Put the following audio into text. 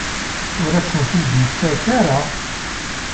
Ur asen-t-id-yettak ara?